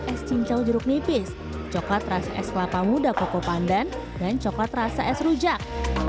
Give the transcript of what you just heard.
es cincau jeruk nipis coklat rasa es kelapa muda koko pandan dan coklat rasa es rujak